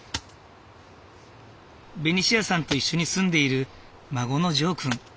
ベニシアさんと一緒に住んでいる孫のジョーくん。